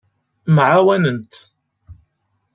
Mɛawanent.